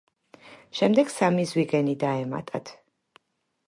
შემდეგ სამი ზვიგენი დაემატათ.